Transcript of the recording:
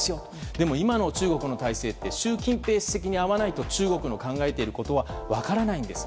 でも今の中国の体制は習近平主席に会わないと中国の考えていることは分からないんです。